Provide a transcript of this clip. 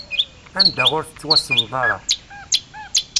Anda ur tettwasenḍ ara.